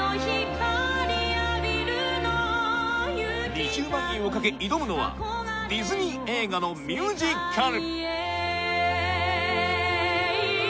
２０万円を懸け挑むのはディズニー映画のミュージカル